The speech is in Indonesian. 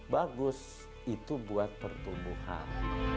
bagus itu buat pertumbuhan